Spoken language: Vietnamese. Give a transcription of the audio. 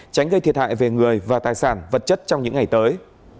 tránh gây thiệt hại về người và tài sản vật chất trong những ngày tới